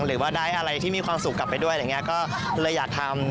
หรือว่าได้อะไรที่มีความสุขกลับไปด้วยอะไรอย่างนี้ก็เลยอยากทำ